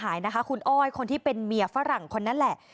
ขณะเดียวกันคุณอ้อยคนที่เป็นเมียฝรั่งคนนั้นแหละ